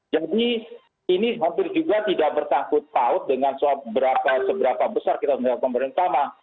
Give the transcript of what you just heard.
jadi ini hampir juga tidak bersangkut paut dengan seberapa besar kita menggunakan komponen utama